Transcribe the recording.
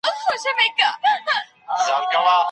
په مسلمانانو باندي جرائم څنګه ترسره کيږي؟